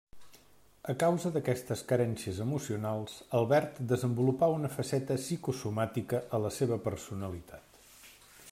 A causa d'aquestes carències emocionals, Albert desenvolupà una faceta psicosomàtica a la seva personalitat.